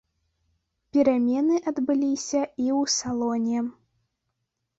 Перамены адбыліся і ў салоне.